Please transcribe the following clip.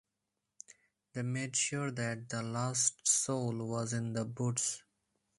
They made sure that the lost soul was in the boots.